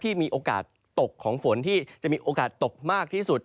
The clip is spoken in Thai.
มีโอกาสตกของฝนที่จะมีโอกาสตกมากที่สุด